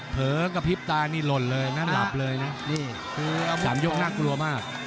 เผิ้ลกริ๊บตานี่หล่นเลยนั่นหลับเลยน่ะนี่คือสามยกน่ากลัวมาก